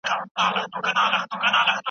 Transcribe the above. زه ډوډۍ نه پخوم.